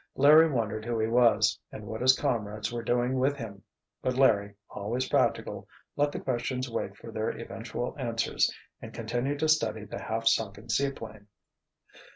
Larry wondered who he was and what his comrades were doing with him; but Larry, always practical, let the questions wait for their eventual answers and continued to study the half sunken seaplane.